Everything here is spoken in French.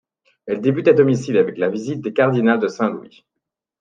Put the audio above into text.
Elle débute à domicile avec la visite des Cardinals de Saint-Louis.